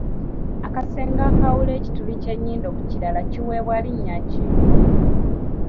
Akasenge akaawula ekituli ky'ennyindo ku kirala kiweebwa linnya ki?